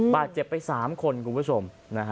บาดเจ็บไป๓คนคุณผู้ชม